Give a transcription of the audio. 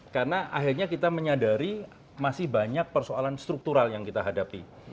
karena akhirnya kita menyadari masih banyak persoalan struktural yang kita hadapi